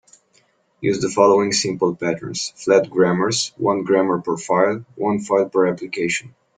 Use the following simple patterns: flat grammars, one grammar per file, one file per application.